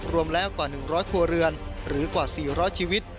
รวมแล้วกว่า๑๐๐ครัวเรือนหรือกว่า๔๐๐ชีวิต